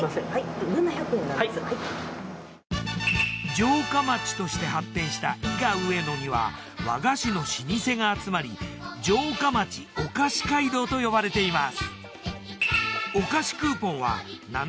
城下町として発展した伊賀上野には和菓子の老舗が集まり城下町お菓子街道と呼ばれています。